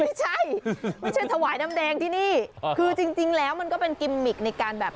ไม่ใช่ไม่ใช่ถวายน้ำแดงที่นี่คือจริงจริงแล้วมันก็เป็นกิมมิกในการแบบ